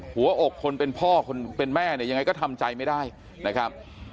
หัวอกคนเป็นพ่อคนเป็นแม่เนี่ยยังไงก็ทำใจไม่ได้นะครับ